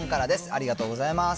ありがとうございます。